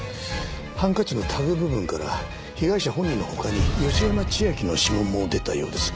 ハンカチのタグ部分から被害者本人の他に芳山千昭の指紋も出たようです。